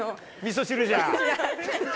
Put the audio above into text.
みそ汁じゃ。